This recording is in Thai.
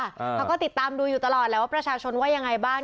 เขาก็ติดตามดูอยู่ตลอดแหละว่าประชาชนว่ายังไงบ้าง